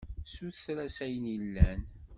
Suter-as ayen yellan.